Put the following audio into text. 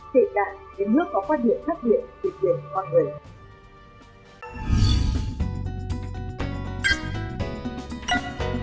kể cả các nước có quan điểm khác biệt về quyền của con người